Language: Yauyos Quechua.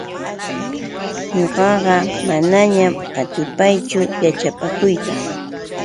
Ñuqaqa manañam atipaachu yaćhapakuyta.